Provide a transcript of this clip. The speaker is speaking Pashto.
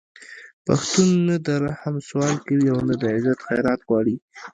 پښتون نه د رحم سوال کوي او نه د عزت خیرات غواړي